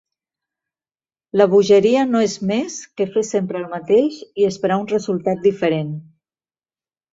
La bogeria no és més que fer sempre el mateix i esperar un resultat diferent.